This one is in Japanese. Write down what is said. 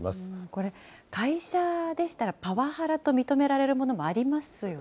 これ、会社でしたらパワハラと認められるものもありますよね。